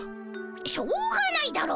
しょうがないだろ。